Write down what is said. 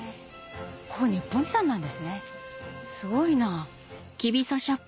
ここ日本遺産なんですねすごいな。